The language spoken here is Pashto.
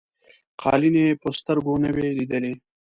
قالیني په سترګو نه وې لیدلي.